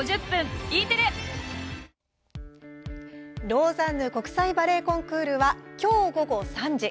「ローザンヌ国際バレエコンクール」はきょう午後３時。